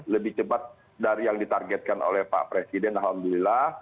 lebih cepat dari yang ditargetkan oleh pak presiden alhamdulillah